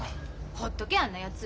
ほっとけあんなやつ。